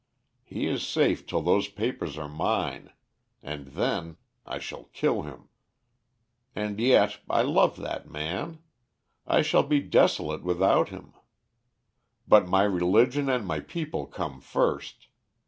He is safe till those papers are mine. And then I shall kill him. "'And yet I love that man I shall be desolate without him. But my religion and my people come first.